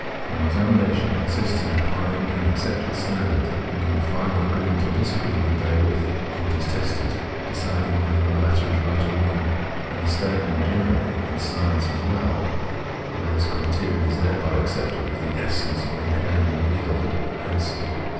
For an examination consists in applying an accepted standard, and, on the final agreement or disagreement therewith of what is tested, deciding whether the latter is right or wrong ; and bhe standard in general, and science as well, were this the criterion, is thereby accepted as the essence or inherently real (Ansich).